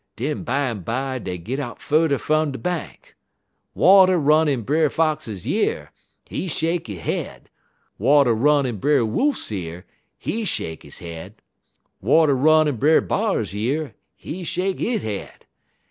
Den bimeby dey git out furder fum de bank. Water run in Brer Fox year, he shake he head; water run in Brer Wolf year, he shake he head; water run in Brer B'ar year, he shake he head.